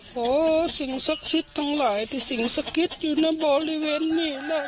ขอสิ่งสักชิดทั้งหลายที่สิ่งสักชิดอยู่ในบริเวณนี่แหละ